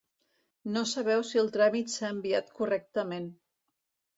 No sabeu si el tràmit s'ha enviat correctament.